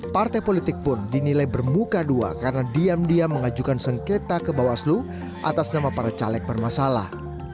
partai politik pun dinilai bermuka dua karena diam diam mengajukan sengketa ke bawaslu atas nama para caleg bermasalah